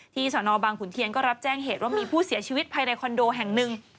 สนบางขุนเทียนก็รับแจ้งเหตุว่ามีผู้เสียชีวิตภายในคอนโดแห่งหนึ่ง